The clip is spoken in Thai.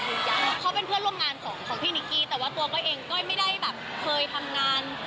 เขาเป็นเพื่อนร่วมงานของพี่นิกกี้แต่ว่าตัวก้อยเองก้อยไม่ได้แบบเคยทำงาน